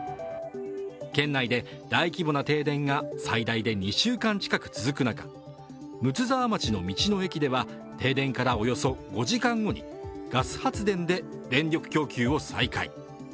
県内で大規模な停電が最大で２週間近く続く中、睦沢町の道の駅では停電からおよそ５時間後にガス発電で電力供給を再開。